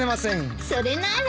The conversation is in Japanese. それなら。